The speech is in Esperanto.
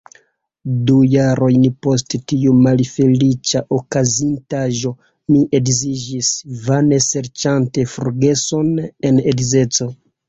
Du jarojn post tiu malfeliĉa okazintaĵo mi edziĝis, vane serĉante forgeson en edzeco.